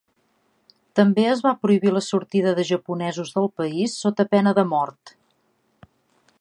També es va prohibir la sortida de japonesos del país sota pena de mort.